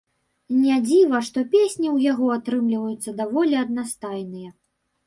Не дзіва, што песні ў яго атрымліваюцца даволі аднастайныя.